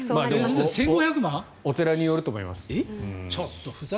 お寺によると思います。